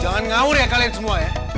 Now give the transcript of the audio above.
jangan ngawur ya kalian semua ya